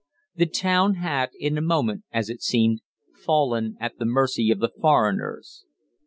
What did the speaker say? The town had, in a moment, as it seemed, fallen at the mercy of the foreigners.